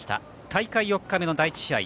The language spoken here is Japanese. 大会４日目の第１試合。